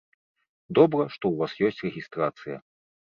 Добра, што ў вас ёсць рэгістрацыя.